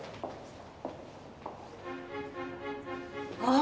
あ！